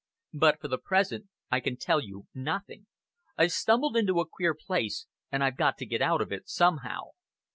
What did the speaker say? But, for the present, I can tell you nothing. I've stumbled into a queer place, and I've got to get out of it somehow.